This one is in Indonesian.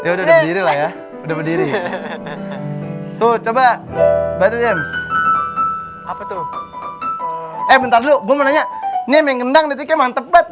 udah berdiri tuh coba apa tuh eh bentar dulu gue nanya nih mengendang dan tepat